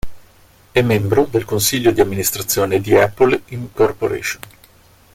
È membro del Consiglio di Amministrazione di Apple Inc.